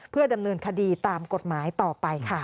เพื่อดำเนินคดีตามกฎหมายต่อไปค่ะ